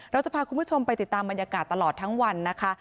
เราจะพาคุณผู้ชมไปติดตามบรรยากาศตลอดทั้งวันนะคะ